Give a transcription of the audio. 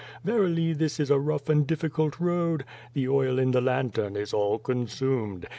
Verily, this is a rough and difficult road I The oil in the lantern is all consumed.